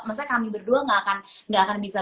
maksudnya kami berdua nggak akan bisa